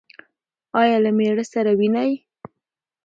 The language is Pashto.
ایا له میړه سره وینئ؟